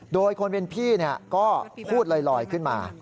โดยคนเป็นพี่ก็พูดลอยขึ้นมา